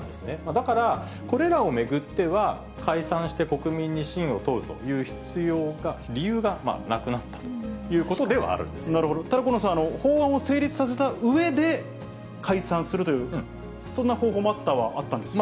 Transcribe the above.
だからこれらを巡っては、解散して国民に信を問うという必要が、理由がなくなったというこなるほど、ただ、近野さん、法案を成立させたうえで、解散するという、そんな方法もあったはあったんですよね。